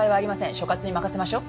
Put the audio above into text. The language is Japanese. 所轄に任せましょう。